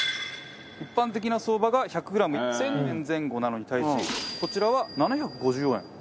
一般的な相場が１００グラム１０００円前後なのに対しこちらは７５４円。